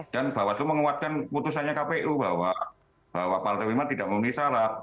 dan bawaslu menguatkan putusannya kpu bahwa partai prima tidak memenuhi syarat